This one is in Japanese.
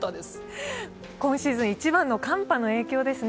今シーズン一番の寒波の影響ですね。